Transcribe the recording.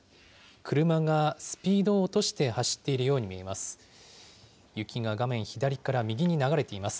車がスピードを落として走っているように見えます。